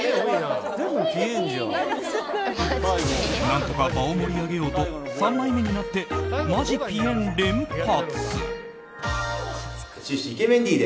何とか場を盛り上げようと三枚目になってまじぴえん連発。